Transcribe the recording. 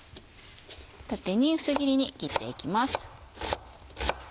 縦に薄切りに切っていきます。